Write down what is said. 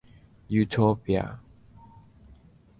Utopia.